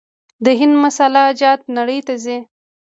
د هند مساله جات نړۍ ته ځي.